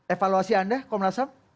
evaluasi anda komnasam